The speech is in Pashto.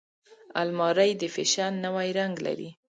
الماري د فیشن نوی رنګ لري